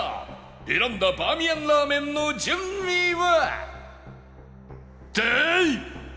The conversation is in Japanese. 選んだバーミヤンラーメンの順位は？